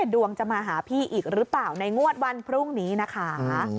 ดวงจะมาหาพี่อีกหรือเปล่าในงวดวันพรุ่งนี้นะคะ